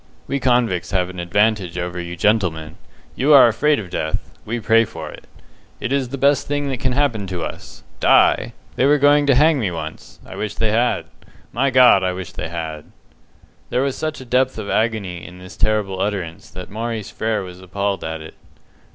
We convicts have an advantage over you gentlemen. You are afraid of death; we pray for it. It is the best thing that can happen to us. Die! They were going to hang me once. I wish they had. My God, I wish they had!" There was such a depth of agony in this terrible utterance that Maurice Frere was appalled at it.